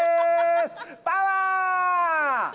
パワー！